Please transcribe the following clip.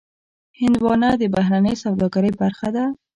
هندوانه د بهرنۍ سوداګرۍ برخه ده.